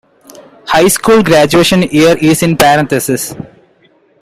High school graduation year is in parentheses.